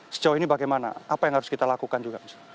sejauh ini bagaimana apa yang harus kita lakukan juga